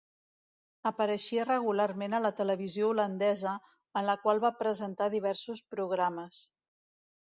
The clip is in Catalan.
Apareixia regularment a la televisió holandesa, en la qual va presentar diversos programes.